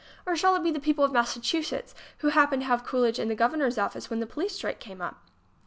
Or shall it be the people of Massachusetts, who happened to have Coolidge in the Governor's office when the police strike came up?